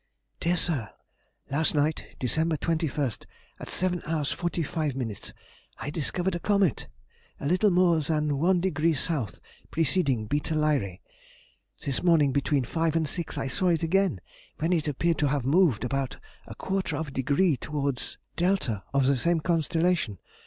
DEAR SIR,— Last night, December 21st, at 7^h 45ʹ, I discovered a comet, a little more than one degree south—preceding β Lyræ. This morning, between five and six, I saw it again, when it appeared to have moved about a quarter of a degree towards δ of the same constellation.